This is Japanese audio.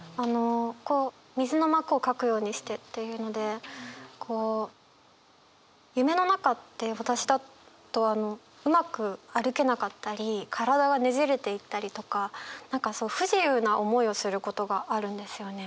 「水の膜を掻くようにして」っていうので夢の中って私だとうまく歩けなかったり体がねじれていたりとか何か不自由な思いをすることがあるんですよね。